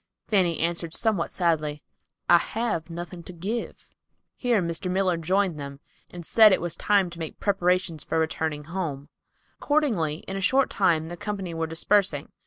Fanny answered somewhat sadly, "I've nothing to give." Here Mr. Miller joined them, and said it was time to make preparations for returning' home. Accordingly in a short time the company were dispersing.